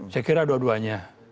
saya kira dua duanya